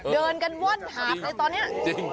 เดินกันว่อนหาบเลยตอนนี้